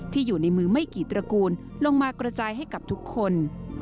อยู่ในมือไม่กี่ตระกูลลงมากระจายให้กับทุกคน